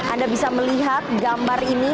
anda bisa melihat gambar ini